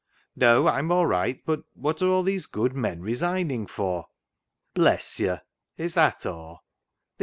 "" No, I'm all right ; but what aie all these Ijood men n'sij^ning lor ?"" Hless )'i)' ; is that aw ? The) .